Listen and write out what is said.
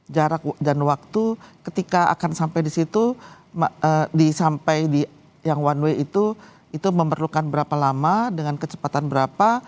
jarak dan waktu ketika akan sampai di situ sampai di yang one way itu itu memerlukan berapa lama dengan kecepatan berapa